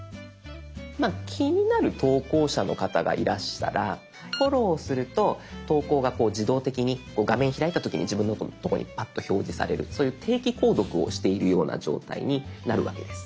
気になる投稿者の方がいらしたらフォローすると投稿が自動的に画面開いた時に自分のとこにパッと表示されるそういう定期購読をしているような状態になるわけです。